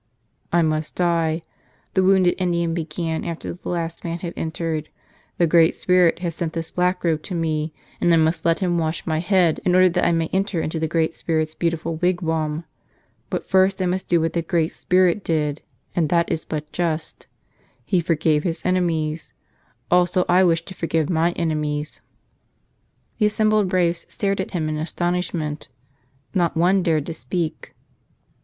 "I must die," the wounded Indian began after the last man had entered. "The Great Spirit has sent this Blackrobe to me, and I must let him wash my head in order that I may enter into the Great Spirit's beauti¬ ful wigwam. But first I must do what the Great Spirit 50 " Father , Forgive Th em " did, and that is but just. He forgave His enemies; also I wish to forgive my enemies." The assembled braves stared at him in astonishment. Not one dared to speak.